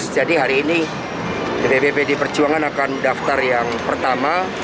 jadi hari ini bdpb di perjuangan akan mendaftar yang pertama